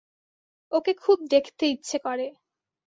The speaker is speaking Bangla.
ওকে খুব দেখতে ইচ্ছে করে।